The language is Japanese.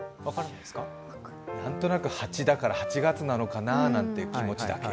何となく、ハチだから８月なのかなという気持ちだけ。